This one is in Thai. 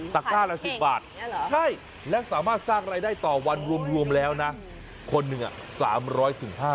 ตะกร้าละ๑๐บาทใช่และสามารถสร้างรายได้ต่อวันรวมแล้วนะคนหนึ่ง๓๐๐๕๐๐บาท